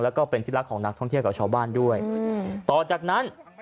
แล้วก็เป็นที่รักของนักท่องเที่ยวกับชาวบ้านด้วยต่อจากนั้น